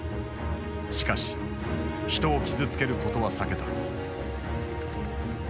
しかし人を傷つけることは避けた。